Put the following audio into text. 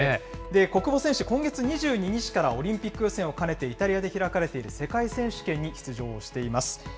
小久保選手、今月２２日からオリンピック予選を兼ねて、イタリアで開かれている世界選手権に出場をしています。